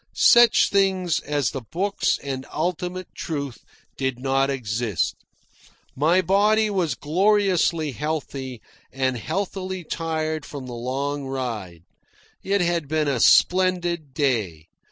Such things as the books and ultimate truth did not exist. My body was gloriously healthy, and healthily tired from the long ride. It had been a splendid day.